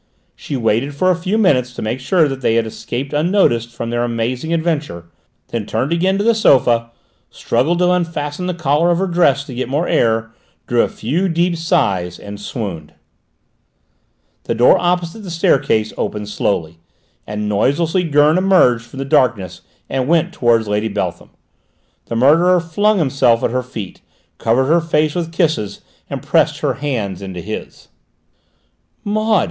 She waited for a few minutes to make sure that they had escaped unnoticed from their amazing adventure, then turned again to the sofa, struggled to unfasten the collar of her dress to get more air, drew a few deep sighs, and swooned. The door opposite the staircase opened slowly, and noiselessly Gurn emerged from the darkness and went towards Lady Beltham. The murderer flung himself at her feet, covered her face with kisses, and pressed her hands in his. "Maud!"